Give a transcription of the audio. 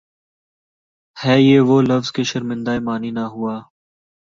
ہے یہ وہ لفظ کہ شرمندۂ معنی نہ ہوا